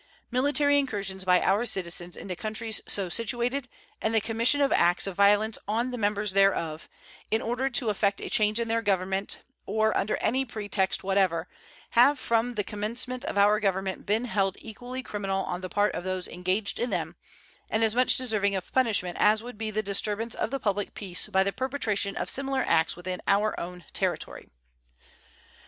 Military incursions by our citizens into countries so situated, and the commission of acts of violence on the members thereof, in order to effect a change in their government, or under any pretext whatever, have from the commencement of our Government been held equally criminal on the part of those engaged in them, and as much deserving of punishment as would be the disturbance of the public peace by the perpetration of similar acts within our own territory.